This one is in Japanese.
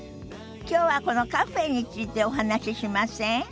きょうはこのカフェについてお話ししません？